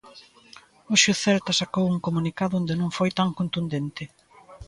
Hoxe o Celta sacou un comunicado onde non foi tan contundente.